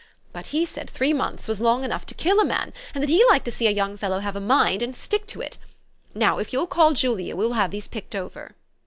But he said three months was long enough to kill a man, and that he liked to see a } T oung fellow have a mind, and stick to it. Now, if you'll call Julia, we will have' these picked over."